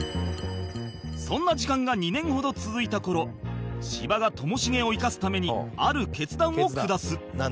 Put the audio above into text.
そんな時間が２年ほど続いた頃芝がともしげを生かすためにある決断を下す